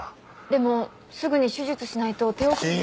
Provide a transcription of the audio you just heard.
でもすぐに手術しないと手遅れに。